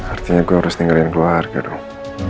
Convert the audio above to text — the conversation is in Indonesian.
artinya gue harus dengerin keluarga dong